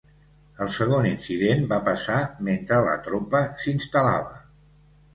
El segon incident va passar mentre la tropa s'instal·lava.